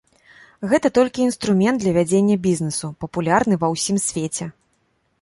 Гэта толькі інструмент для вядзення бізнесу, папулярны ва ўсім свеце.